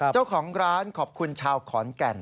เจ้าของร้านขอบคุณชาวขอนแก่น